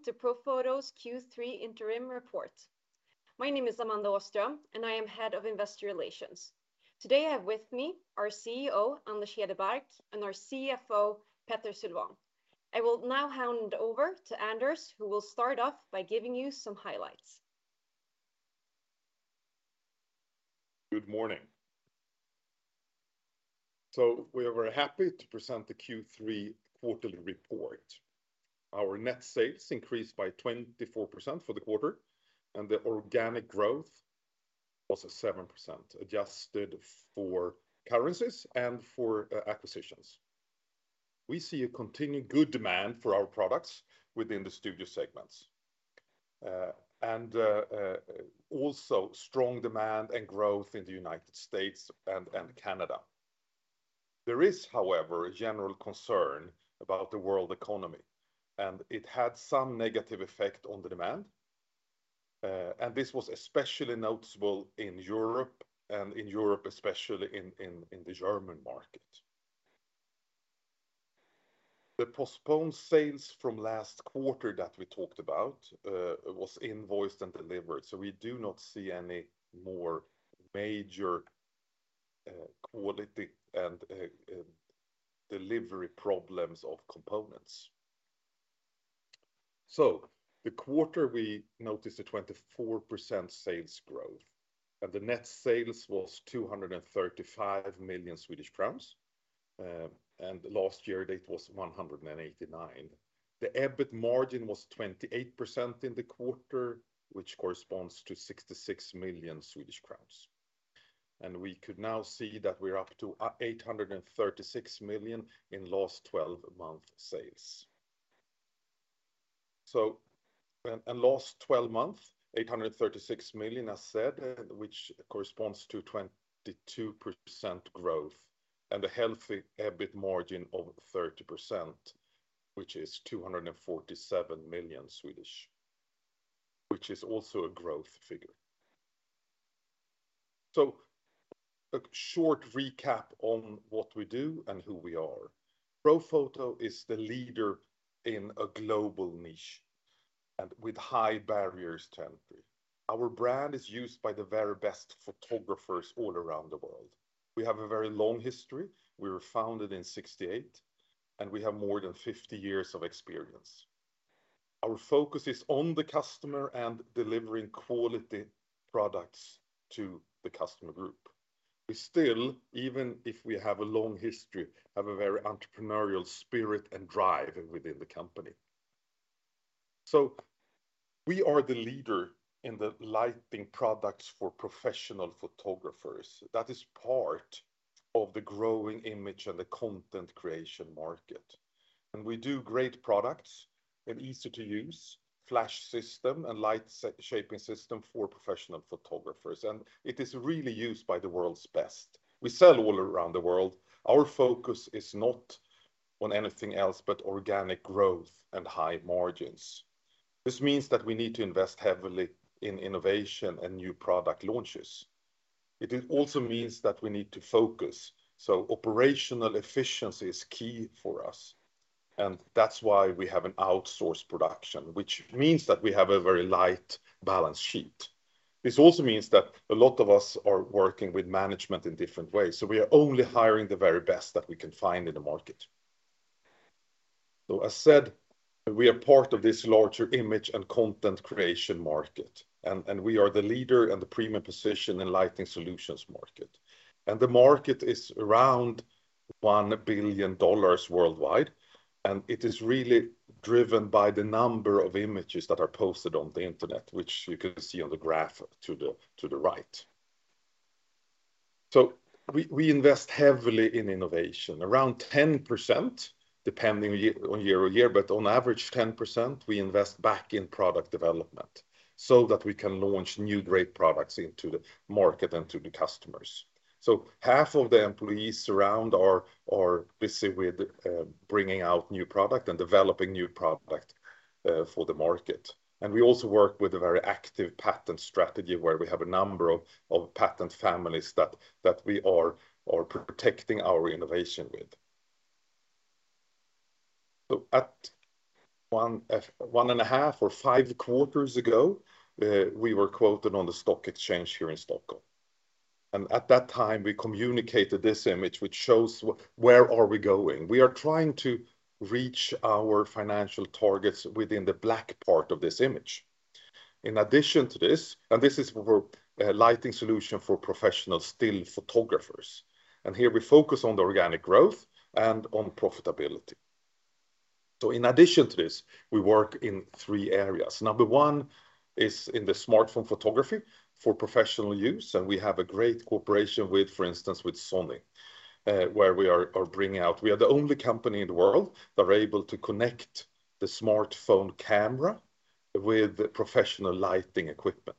Hi, welcome to Profoto's Q3 interim report. My name is Amanda Åström, and I am Head of Investor Relations. Today, I have with me our CEO, Anders Hedebark, and our CFO, Petter Sylwan. I will now hand over to Anders, who will start off by giving you some highlights. Good morning. We are very happy to present the Q3 quarterly report. Our net sales increased by 24% for the quarter, and the organic growth was at 7%, adjusted for currencies and for acquisitions. We see a continued good demand for our products within the studio segments. Also strong demand and growth in the U.S. and Canada. There is, however, a general concern about the world economy, it had some negative effect on the demand. This was especially noticeable in Europe, in Europe, especially in the German market. The postponed sales from last quarter that we talked about were invoiced and delivered, so we do not see any more major quality and delivery problems of components. The quarter, we noticed a 24% sales growth, and the net sales were 235 million Swedish crowns. Last year it was 189 million. The EBIT margin was 28% in the quarter, which corresponds to 66 million Swedish crowns. We could now see that we're up to 836 million in last 12-month sales. In last 12 months, 836 million, I said, which corresponds to 22% growth, and a healthy EBIT margin of 30%, which is 247 million, which is also a growth figure. A short recap on what we do and who we are. Profoto is the leader in a global niche and with high barriers to entry. Our brand is used by the very best photographers all around the world. We have a very long history. We were founded in 1968, and we have more than 50 years of experience. Our focus is on the customer and delivering quality products to the customer group. We still, even if we have a long history, have a very entrepreneurial spirit and drive within the company. We are the leader in the lighting products for professional photographers. That is part of the growing image and the content creation market. We do great products, an easy-to-use flash system and light-shaping system for professional photographers, and it is really used by the world's best. We sell all around the world. Our focus is not on anything else but organic growth and high margins. This means that we need to invest heavily in innovation and new product launches. It also means that we need to focus, operational efficiency is key for us, that's why we have an outsourced production, which means that we have a very light balance sheet. This also means that a lot of us are working with management in different ways, we are only hiring the very best that we can find in the market. As said, we are part of this larger image and content creation market, and we are the leader and the premium position in lighting solutions market. The market is around $1 billion worldwide, and it is really driven by the number of images that are posted on the internet, which you can see on the graph to the right. We invest heavily in innovation, around 10%, depending on year-over-year, but on average 10%, we invest back in product development so that we can launch new great products into the market and to the customers. Half of the employees around are busy with bringing out new product and developing new product for the market. We also work with a very active patent strategy where we have a number of patent families that we are protecting our innovation with. At one and a half or five quarters ago, we were quoted on the stock exchange here in Stockholm. At that time, we communicated this image, which shows where are we going. We are trying to reach our financial targets within the black part of this image. In addition to this, and this is for a lighting solution for professional still photographers. Here we focus on the organic growth and on profitability. In addition to this, we work in three areas. Number one is in the smartphone photography for professional use, and we have a great cooperation with, for instance, with Sony, where we are bringing out. We are the only company in the world that are able to connect the smartphone camera with professional lighting equipment.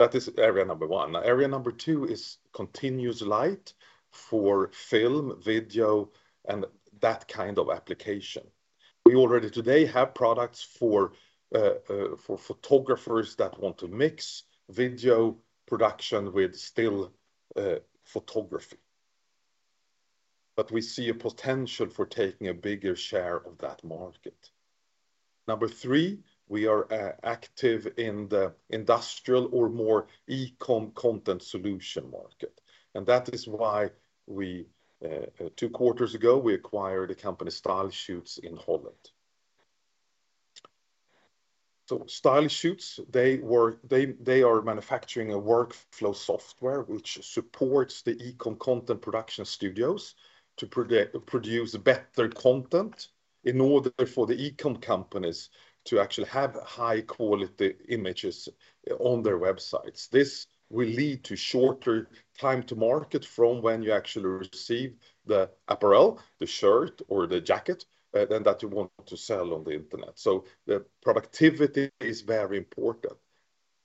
That is area number one. Area number two is continuous light for film, video, and that kind of application. We already today have products for photographers that want to mix video production with still photography. We see a potential for taking a bigger share of that market. Number three, we are active in the industrial or more E-com content solution market. That is why two quarters ago, we acquired a company StyleShoots in Holland. StyleShoots, they are manufacturing a workflow software which supports the E-com content production studios to produce better content in order for the E-com companies to actually have high-quality images on their websites. This will lead to shorter time to market from when you actually receive the apparel, the shirt or the jacket, that you want to sell on the internet. The productivity is very important.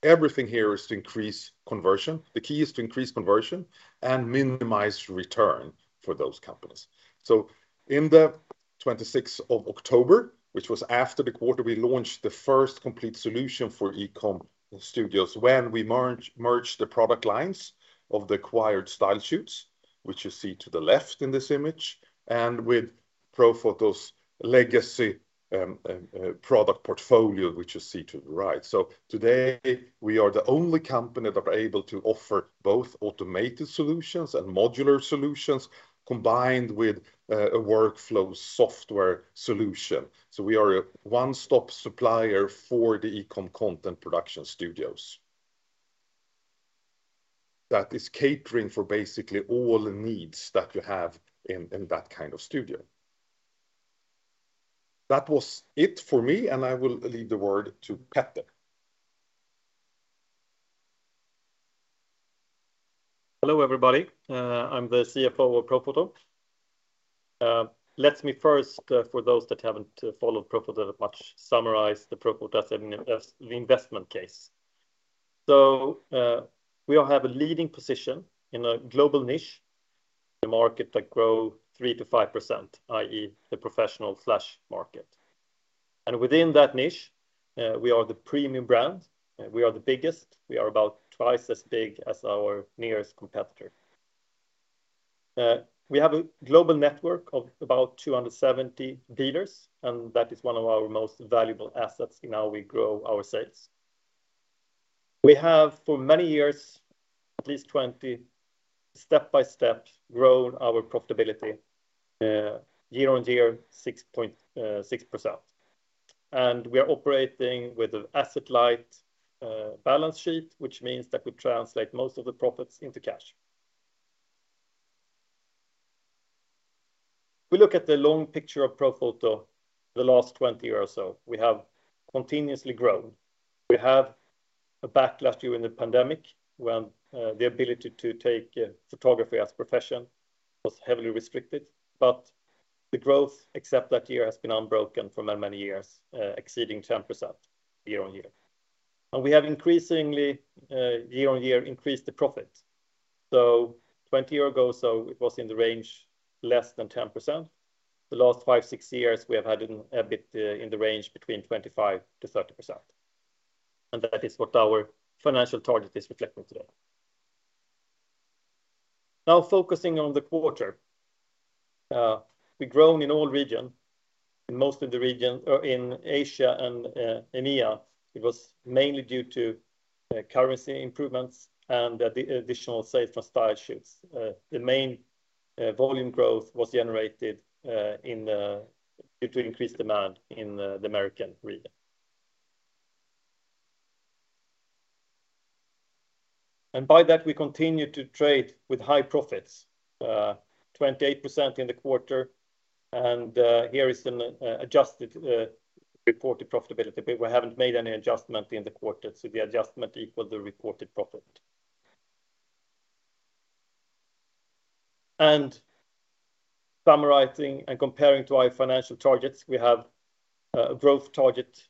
Everything here is to increase conversion. The key is to increase conversion and minimize return for those companies. On the 26th of October, which was after the quarter, we launched the first complete solution for E-com studios when we merged the product lines of the acquired StyleShoots, which you see to the left in this image, and with Profoto's legacy product portfolio, which you see to the right. Today we are the only company that are able to offer both automated solutions and modular solutions, combined with a workflow software solution. We are a one-stop supplier for the E-com content production studios. That is catering for basically all the needs that you have in that kind of studio. That was it for me, and I will leave the word to Petter. Hello, everybody. I'm the CFO of Profoto. Let me first, for those that haven't followed Profoto that much, summarize the Profoto investment case. We all have a leading position in a global niche, the market that grow 3%-5%, i.e. the professional flash market. Within that niche, we are the premium brand. We are the biggest. We are about twice as big as our nearest competitor. We have a global network of about 270 dealers, and that is one of our most valuable assets in how we grow our sales. We have for many years, at least 20, step-by-step grown our profitability year on year 6.6%. We are operating with an asset-light balance sheet, which means that we translate most of the profits into cash. We look at the long picture of Profoto the last 20 years or so. We have continuously grown. We have a backlash during the pandemic when the ability to take photography as a profession was heavily restricted. The growth, except that year, has been unbroken for many years, exceeding 10% year on year. We have increasingly year on year increased the profit. 20 years ago, it was in the range less than 10%. The last five, six years, we have had EBIT in the range between 25%-30%. That is what our financial target is reflecting today. Now focusing on the quarter. We've grown in all region. In most of the region or in Asia and EMEA, it was mainly due to currency improvements and the additional sales from StyleShoots. The main volume growth was generated due to increased demand in the American region. By that, we continue to trade with high profits, 28% in the quarter. Here is an adjusted reported profitability. We haven't made any adjustment in the quarter, the adjustment equals the reported profit. Summarizing and comparing to our financial targets, we have a growth target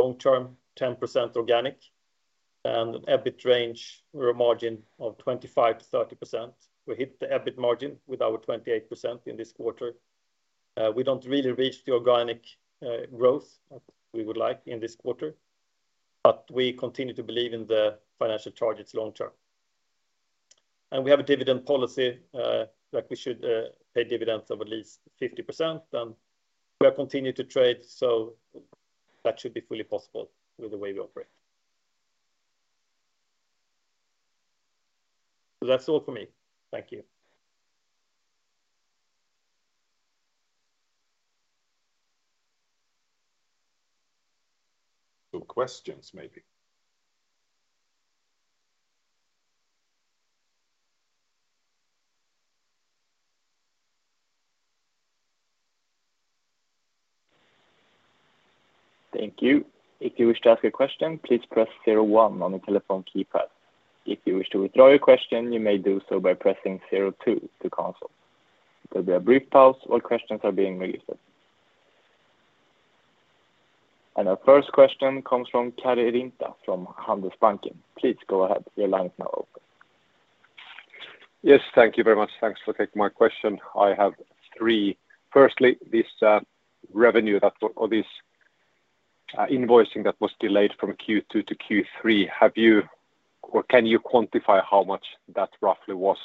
long-term 10% organic and EBIT range or a margin of 25%-30%. We hit the EBIT margin with our 28% in this quarter. We don't really reach the organic growth we would like in this quarter, we continue to believe in the financial targets long-term. We have a dividend policy, like we should pay dividends of at least 50%, we have continued to trade, that should be fully possible with the way we operate. That's all for me. Thank you. questions maybe. Thank you. If you wish to ask a question, please press 01 on your telephone keypad. If you wish to withdraw your question, you may do so by pressing 02 to cancel. There'll be a brief pause while questions are being released. Our first question comes from Karri Rinta from Handelsbanken. Please go ahead. Your line is now open. Yes, thank you very much. Thanks for taking my question. I have three. Firstly, this revenue that or this invoicing that was delayed from Q2 to Q3. Can you quantify how much that roughly was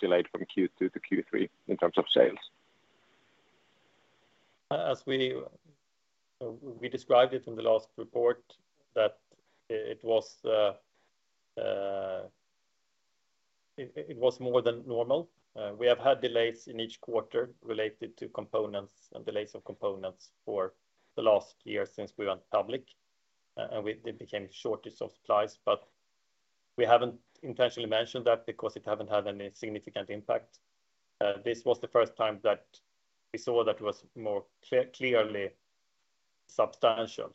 delayed from Q2 to Q3 in terms of sales? As we described it in the last report that it was more than normal. We have had delays in each quarter related to components and delays of components for the last year since we went public, and it became a shortage of supplies. We haven't intentionally mentioned that because it hasn't had any significant impact. This was the first time that we saw that it was more clearly substantial.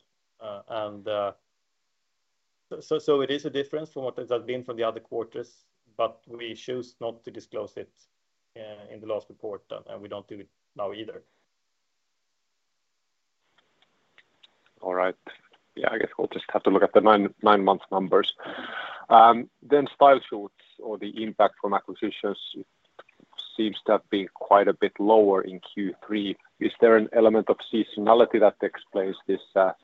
It is a difference from what it has been from the other quarters, but we chose not to disclose it in the last report, and we don't do it now either. All right. Yeah, I guess we'll just have to look at the nine-month numbers. StyleShoots or the impact from acquisitions seems to have been quite a bit lower in Q3. Is there an element of seasonality that explains this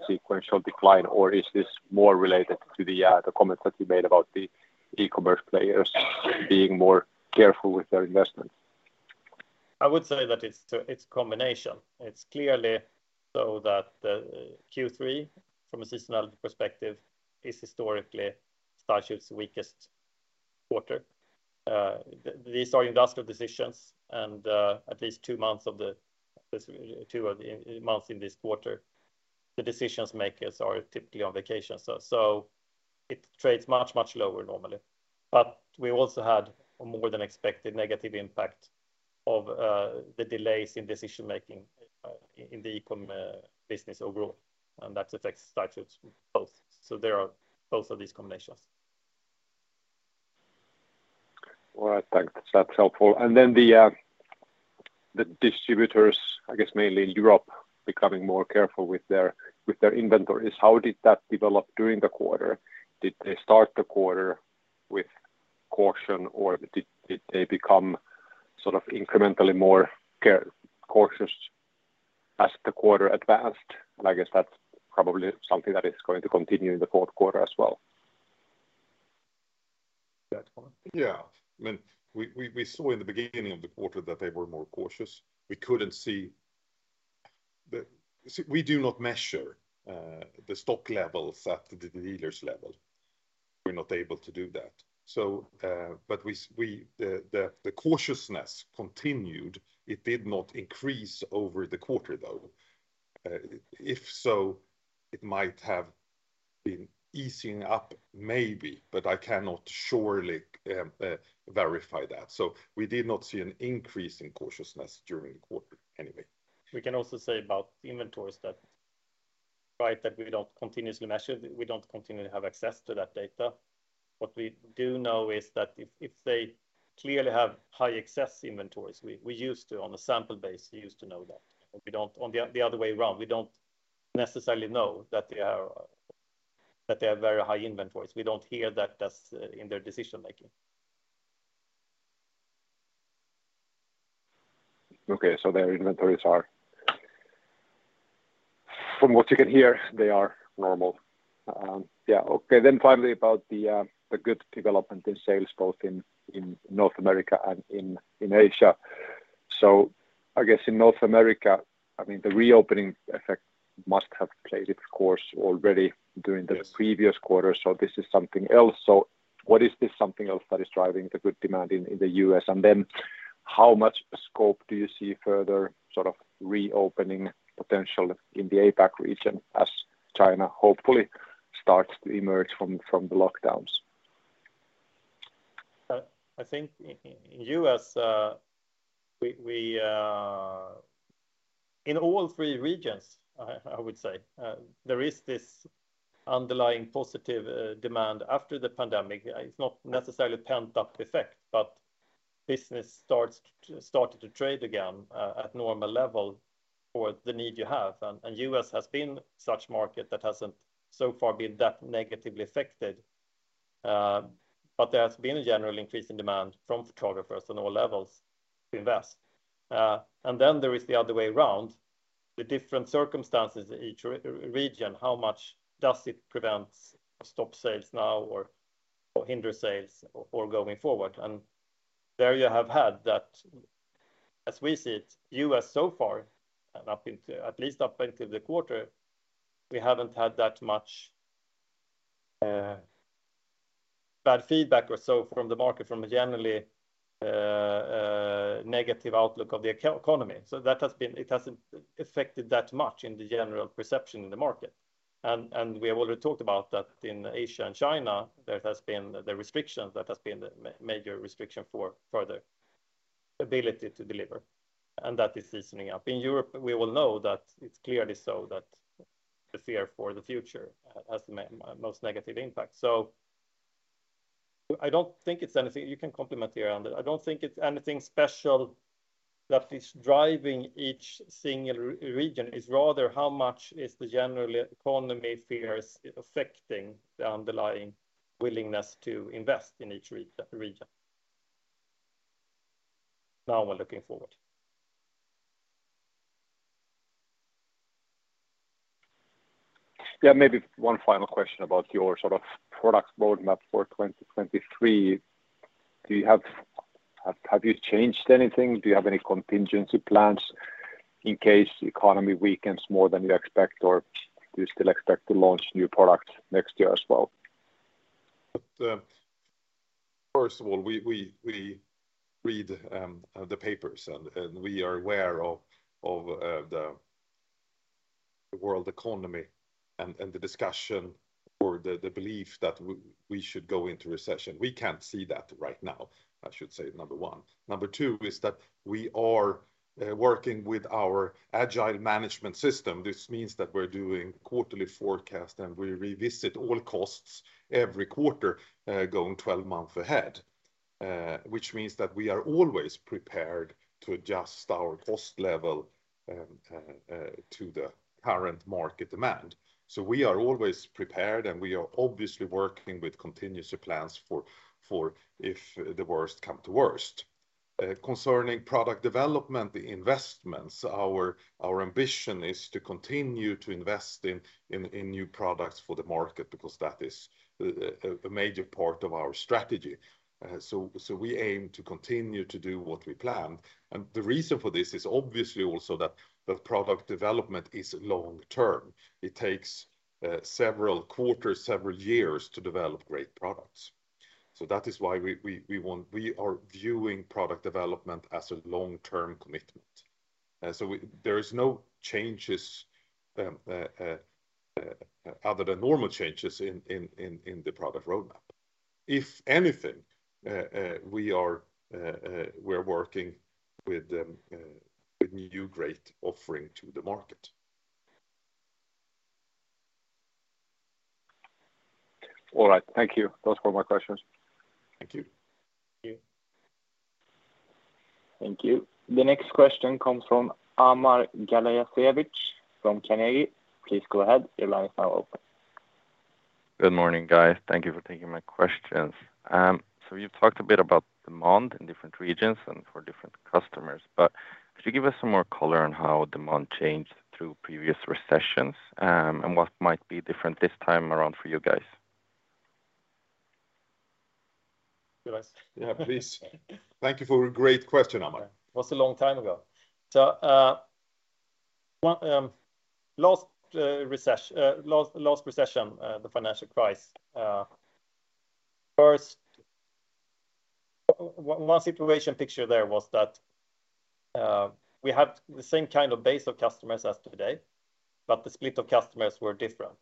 sequential decline, or is this more related to the comments that you made about the e-commerce players being more careful with their investments? I would say that it's a combination. It's clearly so that the Q3, from a seasonality perspective, is historically StyleShoots' weakest quarter. These are industrial decisions, and at least two months in this quarter, the decision makers are typically on vacation. It trades much, much lower normally. We also had a more than expected negative impact of the delays in decision-making in the E-com business overall, and that affects StyleShoots both. There are both of these combinations. All right, thanks. That's helpful. The distributors, I guess mainly in Europe, becoming more careful with their inventories. How did that develop during the quarter? Did they start the quarter with caution, or did they become incrementally more cautious as the quarter advanced? I guess that's probably something that is going to continue in the fourth quarter as well. That one? Yeah. We saw in the beginning of the quarter that they were more cautious. We do not measure the stock levels at the dealers' level. We're not able to do that. The cautiousness continued. It did not increase over the quarter, though. If so, it might have been easing up maybe, but I cannot surely verify that. We did not see an increase in cautiousness during the quarter anyway. We can also say about the inventories that, right, that we don't continuously measure, we don't continually have access to that data. What we do know is that if they clearly have high excess inventories, on a sample base, we used to know that. The other way around, we don't necessarily know that they have very high inventories. We don't hear that in their decision-making. Okay. Their inventories are, from what you can hear, they are normal. Yeah. Okay. Finally, about the good development in sales both in North America and in Asia. I guess in North America, the reopening effect must have played its course already during the- Yes previous quarter. This is something else. What is this something else that is driving the good demand in the U.S., and how much scope do you see further reopening potential in the APAC region as China hopefully starts to emerge from the lockdowns? I think in all three regions, I would say, there is this underlying positive demand after the pandemic. It's not necessarily a pent-up effect, but business started to trade again at normal level for the need you have, and U.S. has been such market that hasn't so far been that negatively affected. There has been a general increase in demand from photographers on all levels to invest. There is the other way around, the different circumstances in each region. How much does it prevent or stop sales now or hinder sales or going forward? There you have had that, as we see it, U.S. so far, at least up until the quarter, we haven't had that much bad feedback or so from the market from a generally negative outlook of the economy. It hasn't affected that much in the general perception in the market. Yeah. We have already talked about that in Asia and China, there has been the restrictions that has been the major restriction for further ability to deliver. That is easing up. In Europe, we all know that it's clearly so that the fear for the future has the most negative impact. You can complement here, Anders. I don't think it's anything special that is driving each single region. It's rather how much is the general economy fears affecting the underlying willingness to invest in each region Now we're looking forward. Yeah. Maybe one final question about your product roadmap for 2023. Have you changed anything? Do you have any contingency plans in case the economy weakens more than you expect, or do you still expect to launch new products next year as well? First of all, we read the papers, and we are aware of the world economy and the discussion or the belief that we should go into recession. We can't see that right now, I should say, number one. Number two is that we are working with our agile management system. This means that we're doing quarterly forecast and we revisit all costs every quarter, going 12 months ahead. Which means that we are always prepared to adjust our cost level to the current market demand. We are always prepared, and we are obviously working with contingency plans for if the worst come to worst. Concerning product development investments, our ambition is to continue to invest in new products for the market, because that is a major part of our strategy. We aim to continue to do what we planned, the reason for this is obviously also that product development is long-term. It takes several quarters, several years to develop great products. That is why we are viewing product development as a long-term commitment. There is no changes other than normal changes in the product roadmap. If anything, we're working with new great offering to the market. All right. Thank you. Those were my questions. Thank you. Thank you. Thank you. The next question comes from Amar Galijašević from Carnegie. Please go ahead. Your line is now open. You've talked a bit about demand in different regions and for different customers, but could you give us some more color on how demand changed through previous recessions and what might be different this time around for you guys? You guys? Yeah, please. Thank you for a great question, Amar. It was a long time ago. Last recession, the financial crisis. First, one situation picture there was that we had the same kind of base of customers as today, but the split of customers were different.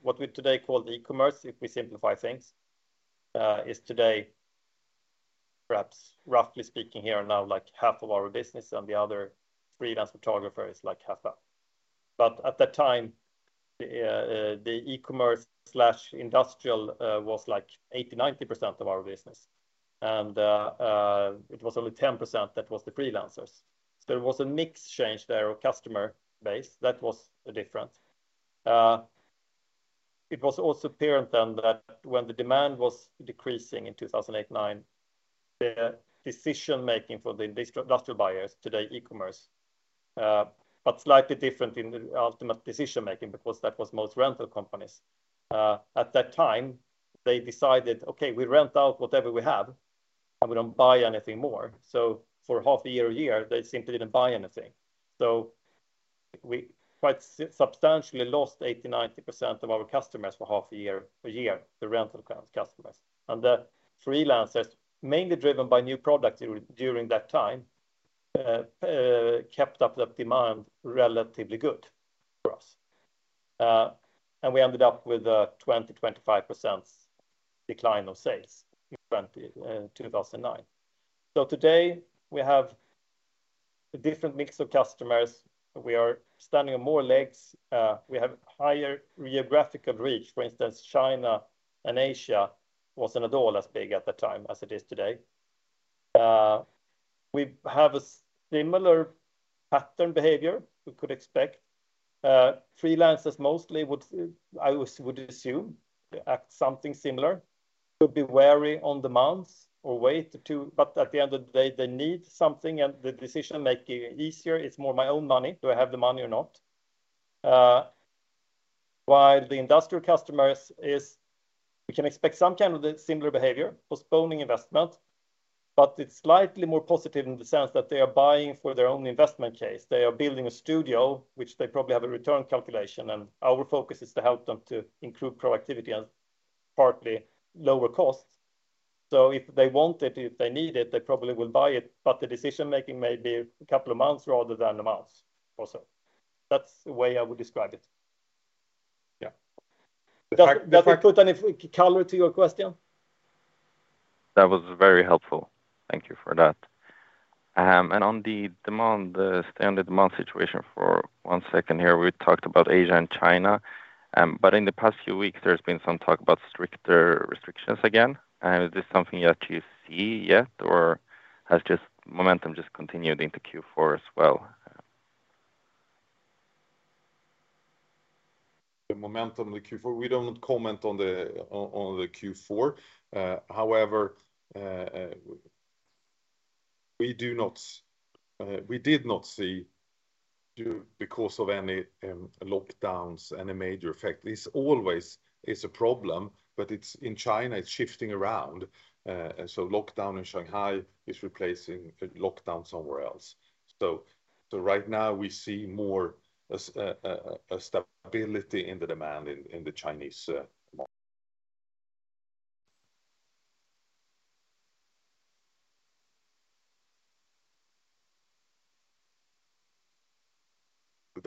What we today call e-commerce, if we simplify things, is today, perhaps roughly speaking here now, half of our business and the other freelance photographer is half that. At that time, the e-commerce/industrial was 80%-90% of our business, and it was only 10%, that was the freelancers. There was a mix change there of customer base. That was the difference. It was also apparent then that when the demand was decreasing in 2008/9, the decision-making for the industrial buyers, today e-commerce, but slightly different in the ultimate decision-making because that was most rental companies. At that time, they decided, "Okay, we rent out whatever we have, and we don't buy anything more." For half a year or a year, they simply didn't buy anything. We quite substantially lost 80%-90% of our customers for half a year or a year, the rental customers. The freelancers, mainly driven by new product during that time, kept up the demand relatively good for us. We ended up with a 20%-25% decline of sales in 2009. Today, we have a different mix of customers. We are standing on more legs. We have higher geographical reach. For instance, China and Asia wasn't at all as big at that time as it is today. We have a similar pattern behavior we could expect. Freelancers mostly would, I would assume, act something similar. Could be wary on demands or at the end of the day, they need something and the decision-making easier. It's more my own money. Do I have the money or not? While the industrial customers is, we can expect some kind of similar behavior, postponing investment, but it's slightly more positive in the sense that they are buying for their own investment case. They are building a studio, which they probably have a return calculation, and our focus is to help them to improve productivity and partly lower costs. If they want it, if they need it, they probably will buy it, but the decision-making may be a couple of months rather than a month or so. That's the way I would describe it. Yeah. Does that put any color to your question? That was very helpful. Thank you for that. On the demand, the standard demand situation for one second here. We talked about Asia and China. In the past few weeks, there's been some talk about stricter restrictions again. Is this something that you see yet, or has just momentum continued into Q4 as well? The momentum in the Q4. We don't comment on the Q4. However, we did not see, because of any lockdowns, any major effect. This always is a problem, in China, it's shifting around. Lockdown in Shanghai is replacing a lockdown somewhere else. Right now we see more stability in the demand in the Chinese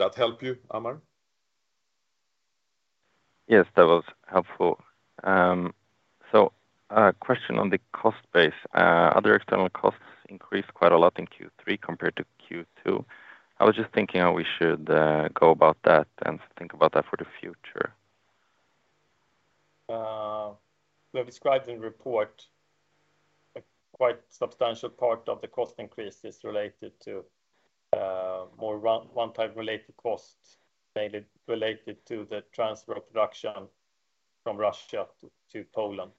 market. Did that help you, Amar? Yes, that was helpful. A question on the cost base. Other external costs increased quite a lot in Q3 compared to Q2. I was just thinking how we should go about that and think about that for the future. We have described in the report a quite substantial part of the cost increase is related to more one-time related costs, mainly related to the transfer of production from Russia to Poland.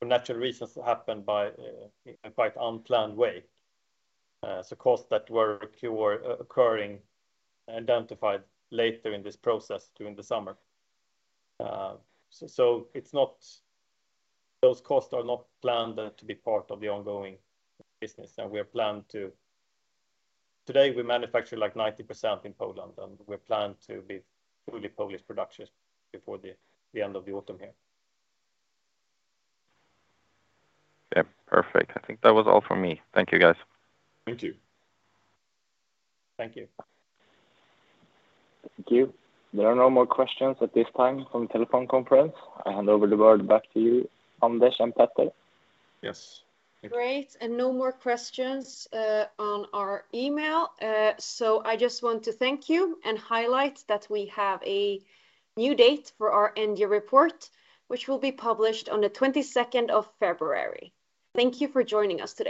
For natural reasons, it happened in a quite unplanned way. Costs that were occurring, identified later in this process during the summer. Those costs are not planned to be part of the ongoing business. Today we manufacture 90% in Poland, and we plan to be fully Polish production before the end of the autumn here. Yep, perfect. I think that was all from me. Thank you, guys. Thank you. Thank you. Thank you. There are no more questions at this time from the telephone conference. I hand over the word back to you, Anders and Petter. Yes. Great, no more questions on our email. I just want to thank you and highlight that we have a new date for our end-year report, which will be published on the 22nd of February. Thank you for joining us today